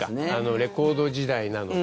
レコード時代なのか。